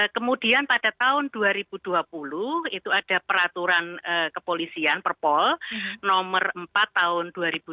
kemudian pada tahun dua ribu dua puluh itu ada peraturan kepolisian perpol nomor empat tahun dua ribu dua puluh